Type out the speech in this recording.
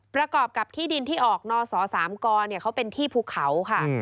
ประกอบกับที่ดินที่ออกนศ๓กเขาเป็นที่ภูเขาค่ะ